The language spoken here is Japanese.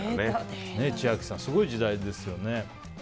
千秋さん、すごい時代ですよね。